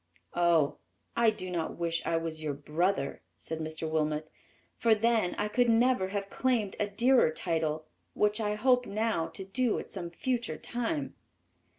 "Oh, I do not wish I was your brother," said Mr. Wilmot, "for then I could never have claimed a dearer title, which I hope now to do at some future time."